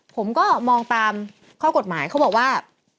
ผมก็มองตามข้อกฎหมายเขาบอกว่า